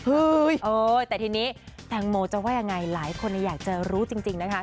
เฮ้ยโอ้ยแต่ทีนี้แตงโมจะว่ายังไงหลายคนเนี่ยอยากจะรู้จริงจริงนะคะ